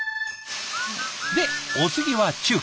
でお次は中華。